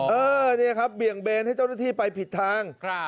เออเนี่ยครับเบี่ยงเบนให้เจ้าหน้าที่ไปผิดทาง